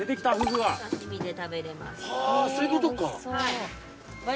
はぁそういうことか。